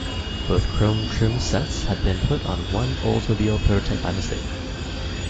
Both chrome trim sets had been put on one Oldsmobile prototype by mistake.